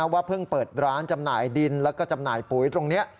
ว่าเพิ่งเปิดร้านจำหน่ายดินแล้วก็จำหน่ายปุ๋ยตรงนี้